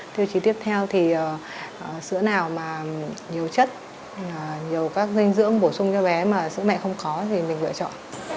tiêu chí tiếp theo thì sữa nào mà nhiều chất nhiều các dinh dưỡng bổ sung cho bé mà sữa mẹ không khó thì mình lựa chọn